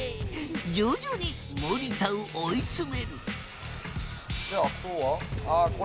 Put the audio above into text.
徐々に森田を追い詰めるであとは。